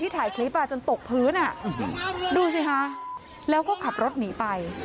ถ่ายคลิปจนตกพื้นดูสิคะแล้วก็ขับรถหนีไป